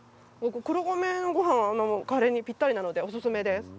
黒米のごはん、カレーにぴったりなのでおすすめです。